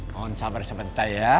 mohon sabar sebentar ya